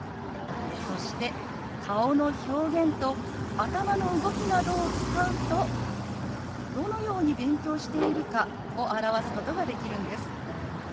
そして顔の表現と頭の動きなどを使うとどのように勉強しているかを表すことができるんです。